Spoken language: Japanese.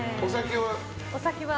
お酒は？